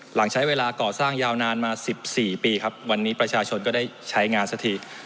หลังใช้เวลาก่อสร้างยาวนานมา๑๔ปีครับวันนี้ประชาชนก็ได้ใช้งานสักที